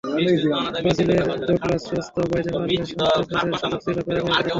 ব্রাজিলের ডগলাস কস্তাও বাইরে মারলে সান্তা ক্রুজের সুযোগ ছিল প্যারাগুয়েকে জেতানোর।